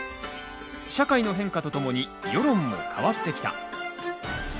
社会の変化とともに世論も変わってきた。